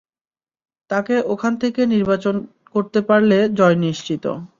তাকে ওখান থেকে নির্বাচন করতে পারলে, জয় নিশ্চিত।